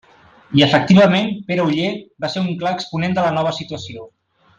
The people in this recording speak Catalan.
I efectivament, Pere Oller va ser un clar exponent de la nova situació.